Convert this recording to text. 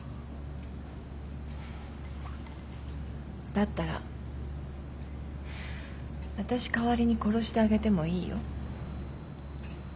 だったらわたし代わりに殺してあげてもいいよ。